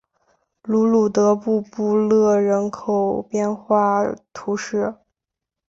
卢鲁德布布勒人口变化图示